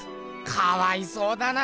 かわいそうだな！